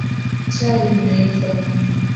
Chai imeiva